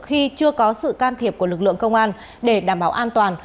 khi chưa có sự can thiệp của lực lượng công an để đảm bảo an toàn